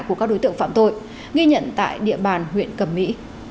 của các đối tượng phạm tội ghi nhận tại địa bàn huyện cẩm mỹ